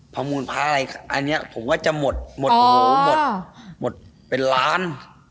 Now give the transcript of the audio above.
ภาพมูลพระอะไรอันนี้ผมก็จะหมดเป็นล้าน